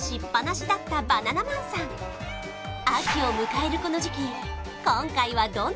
秋を迎えるこの時季